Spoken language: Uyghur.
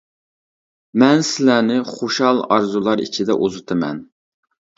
مەن سىلەرنى خۇشال ئارزۇلار ئىچىدە ئۇزىتىمەن.